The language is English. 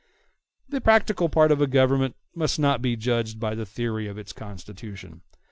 The practical part of a Government must not be judged by the theory of its constitution.